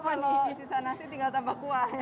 kalau sisa nasi tinggal tambah kuah